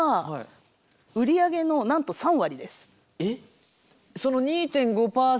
えっ？